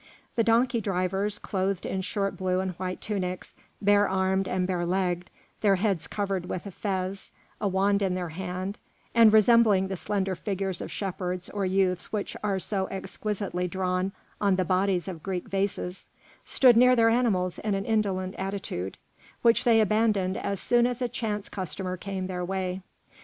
The donkey drivers, clothed in short blue and white tunics, bare armed and bare legged, their heads covered with a fez, a wand in their hand, and resembling the slender figures of shepherds or youths which are so exquisitely drawn on the bodies of Greek vases, stood near their animals in an indolent attitude, which they abandoned as soon as a chance customer came their way.